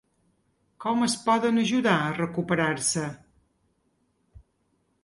Com es poden ajudar a recuperar-se?